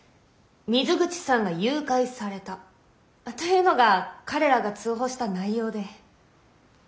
「水口さんが誘拐された」というのが彼らが通報した内容で。